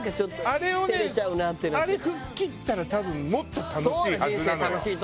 あれ吹っ切ったら多分もっと楽しいはずなのよ。